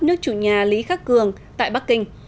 nước chủ nhà lý khắc cường tại bắc kinh